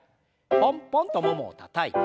ポンポンとももをたたいて。